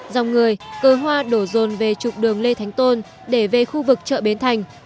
dòng người cơ hoa đổ rồn về trục đường lê thánh tôn để về khu vực chợ bến thành